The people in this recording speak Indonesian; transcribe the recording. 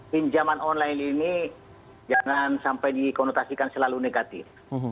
pinjaman online ini jangan sampai dikonotasikan selalu negatif